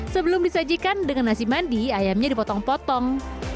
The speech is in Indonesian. sebelum disajikan dengan nasi mandi ayamnya dipotong potong